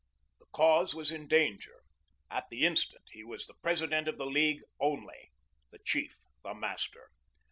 The cause was in danger. At the instant he was the President of the League only, the chief, the master.